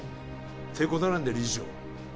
てことなんで理事長